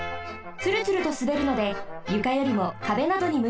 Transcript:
つるつるとすべるのでゆかよりもかべなどにむいています。